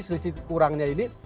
selisih kurangnya ini